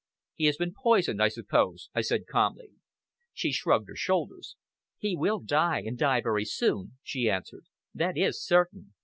"He has been poisoned, I suppose?" I said calmly. She shrugged her shoulders. "He will die, and die very soon," she answered. "That is certain.